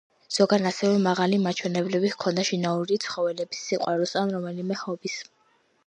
ზოგან ასევე მაღალი მაჩვენებლები ჰქონდა შინაური ცხოველების სიყვარულს, ან რომელიმე ჰობის.